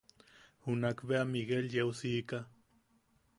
Junak bea Miguel yeusiika.